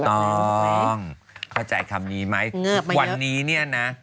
ถูกต้องพฤติคำนี้ไหมวันนี้เนี่ยนะ